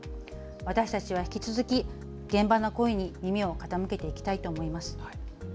私たちは引き続き現場の声に耳を傾けていきたいと思います。